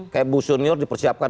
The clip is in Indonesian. kayak bush senior dipersiapkan